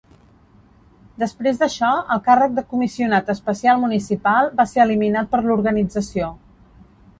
Després d'això, el càrrec de Comissionat Especial Municipal va ser eliminat per l'organització.